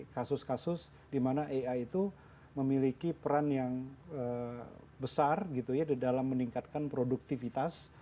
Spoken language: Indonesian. kasus kasus di mana ai itu memiliki peran yang besar gitu ya di dalam meningkatkan produktivitas